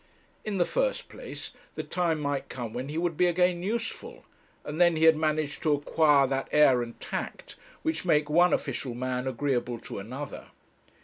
In the first place, the time might come when he would be again useful, and then he had managed to acquire that air and tact which make one official man agreeable to another.